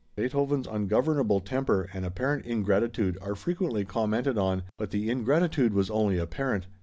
Beethoven's ungovernable temper and apparent ingratitude are frequently commented on, but the ingratitude was only apparent.